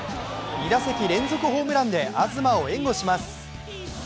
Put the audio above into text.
２打席連続ホームランで東を援護します。